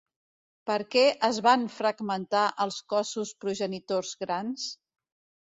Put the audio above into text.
Per què es van fragmentar els cossos progenitors grans?